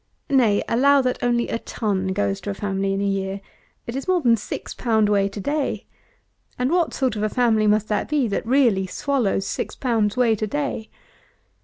Nay, allow that only a ton goes to a family in a year, it is more than six pound weight a day; and what sort of a family must that be that really swallows six pounds weight a day?